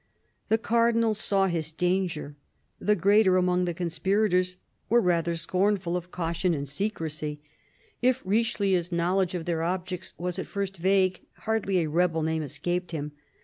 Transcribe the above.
The Cardinal saw his danger. The greater among the conspirators were rather scornful of caution and secrecy. THE CARDINAL 165 If Richelieu's knowledge of their objects was at first vague, hardly a rebel name escaped him.